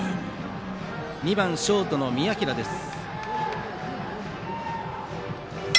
２番ショートの宮平です。